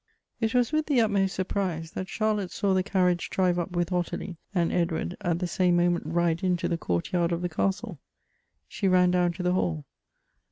IT was with the utmost surprise that Charlotte saw the carriage drive up with Ottilie, and Edward at the same moment ride into the court yard of the castle. She ran down to the hall.